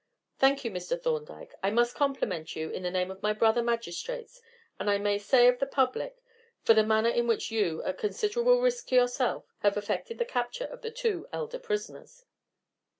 "Thank you, Mr. Thorndyke. I must compliment you in the name of my brother magistrates, and I may say of the public, for the manner in which you, at considerable risk to yourself, have effected the capture of the two elder prisoners."